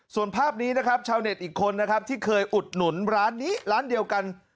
ส่วนภาพนี้นะครับชาวเน็ตอีกคนนะครับที่เคยอุดหนุนร้านนี้ร้านเดียวกัน